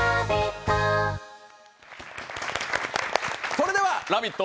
それでは「ラヴィット！」